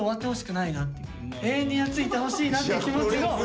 永遠に夏いてほしいなっていう気持ちを。